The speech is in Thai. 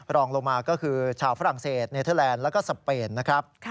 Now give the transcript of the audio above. รองลงมาก็คือชาวฝรั่งเศสเนเทอร์แลนด์แล้วก็สเปนนะครับ